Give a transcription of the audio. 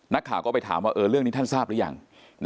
นักข่าวก็ไปถามว่าเรื่องนี้ท่านทราบหรือยัง